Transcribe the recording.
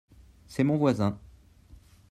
C'est mon voisin.